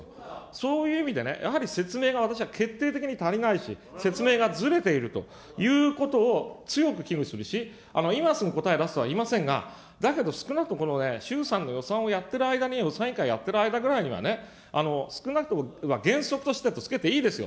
そういう意味でやはり説明が私は決定的に足りないし、説明がずれているということを強く危惧するし、今すぐ答え出せとは言いませんが、だけど、少なくともこのね、衆参の予算をやってる間に、予算委員会をやってる間ぐらいにはね、少なくとも、原則としてとつけていいですよ。